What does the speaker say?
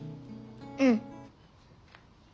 うん。